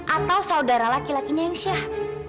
atau saudara laki lakinya yang syah